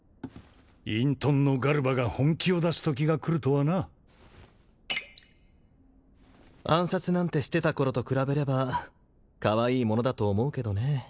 隠遁のガルバが本気を出すときが来るとはな暗殺なんてしてた頃と比べればかわいいものだと思うけどね